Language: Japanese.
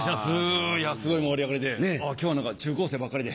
いやすごい盛り上がりで今日は中高生ばっかりで。